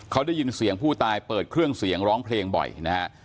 เขาได้ยินเสียงผู้ตายเปิดเครื่องเสียงร้องเพลงบ่อยนะฮะ